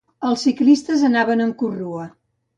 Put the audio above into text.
Els ciclistes anaven en corrua.